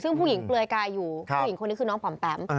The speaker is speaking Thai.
ซึ่งผู้หญิงเปลือยกายอยู่ผู้หญิงคนนี้คือน้องปอมแปม